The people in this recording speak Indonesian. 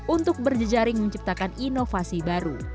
untuk berjejaring menciptakan inovasi baru